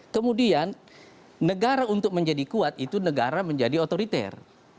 kemudian negara untuk menjadi kuat itu negara menjadi otoriter